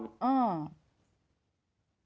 แต่เขาพูดกับอะไรนะครับ